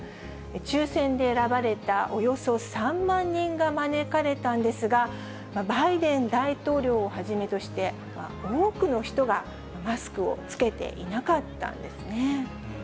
抽せんで選ばれたおよそ３万人が招かれたんですが、バイデン大統領をはじめとして、多くの人がマスクを着けていなかったんですね。